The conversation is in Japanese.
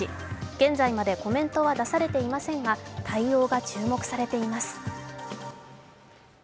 現在までコメントは出されていませんが、対応が注目されています。